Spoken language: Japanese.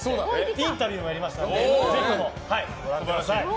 インタビューもやりましたのでぜひともご覧ください。